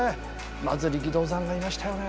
まず力道山がいましたよね。